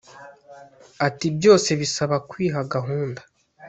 Ati “ Byose bisaba kwiha gahunda